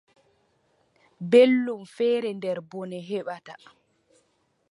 Belɗum feere nder bone heɓata.